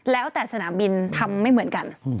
แล้วแต่สนามบินทำไม่เหมือนกัน